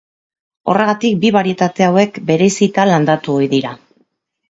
Horregatik bi barietate hauek bereizita landatu ohi dira.